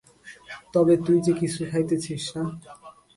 তবে তুই যে কিছু খাইতেছিস না!